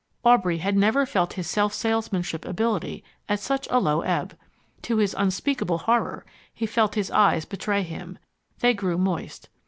Aubrey had never felt his self salesmanship ability at such a low ebb. To his unspeakable horror, he felt his eyes betray him. They grew moist.